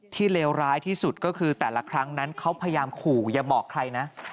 เลวร้ายที่สุดก็คือแต่ละครั้งนั้นเขาพยายามขู่อย่าบอกใครนะ